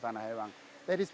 dan kami juga berharap